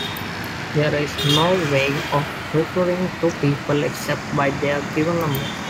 There is no way of referring to people except by their given numbers.